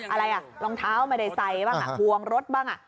อะไรอ่ะรองเท้าไม่ได้ใส่บ้างพวงรถบ้าง